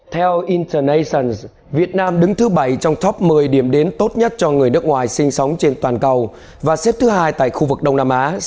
theo internations việt nam đứng thứ bảy trong top một mươi điểm đến tốt nhất cho người nước ngoài sinh sống trên toàn cầu và xếp thứ hai tại khu vực đông nam á